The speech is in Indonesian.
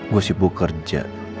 gue sibuk kerja